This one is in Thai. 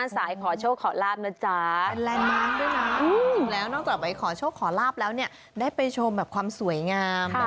ขอโชคขอลาบนะจ๊ะเป็นแลนด์มาร์คด้วยนะแล้วนอกจากไปขอโชคขอลาบแล้วเนี่ยได้ไปชมแบบความสวยงาม